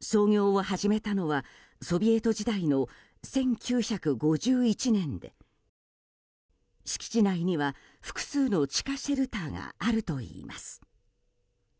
操業を始めたのはソビエト時代の１９５１年で敷地内には複数の地下シェルターがあるといいます。